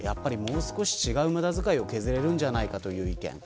もう少し違う無駄遣いを削れるんじゃないかという意見。